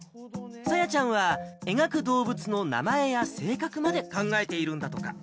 さやちゃんは描く動物の名前や性格まで考えているんだとか。